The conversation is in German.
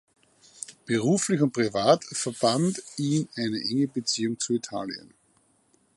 Beruflich und privat verband ihn eine enge Beziehung zu Italien.